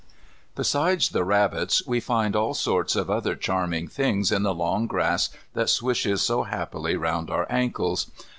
Besides the rabbits we find all sorts of other charming things in the long grass that swishes so happily round our ankles.